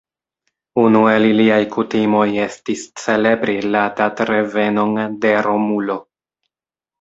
Unu el iliaj kutimoj estis celebri la datrevenon de Romulo.